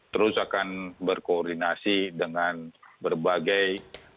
terus akan berkoordinasi dengan berbagai lembaga maupun kota kota yang dikawal covid sembilan belas